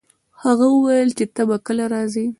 هغه وویل چي ته به کله راځي؟